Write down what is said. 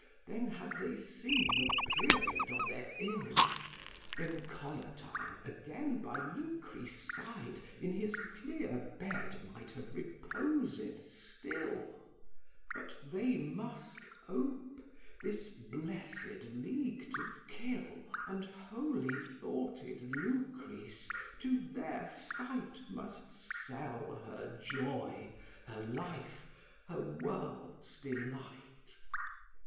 Then had they seen the period of their ill; Then Collatine again, by Lucrece' side, In his clear bed might have reposed still: But they must ope, this blessed league to kill; And holy thoughted Lucrece to their sight Must sell her joy, her life, her world's delight.